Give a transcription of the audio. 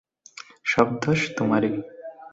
সব দোষ তোমারই।